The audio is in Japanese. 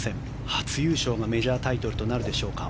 初優勝がメジャータイトルとなるでしょうか。